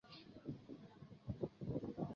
苏格兰则以小组渗透的方式进攻。